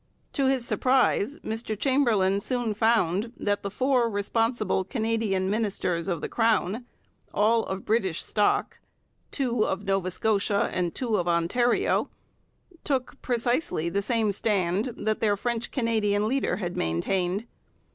To his surprise Mr Chamberlain soon found that the four responsible Canadian ministers of the Crown, all of British stock, two of Nova Scotia and two of Ontario, took precisely the same stand that their French Canadian leader had maintained.